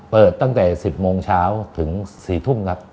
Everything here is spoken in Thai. เปิดตั้งแต่๑๐โมงเช้าถึง๔ทุ่มครับ